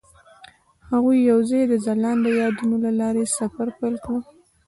هغوی یوځای د ځلانده یادونه له لارې سفر پیل کړ.